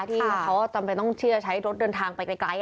ที่เขาต้องเชื่อใช้รถเดินทางไปใกล้